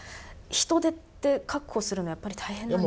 人手って確保するのはやっぱり大変なんですか？